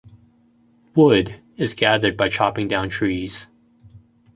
Wood is gathered by chopping down trees.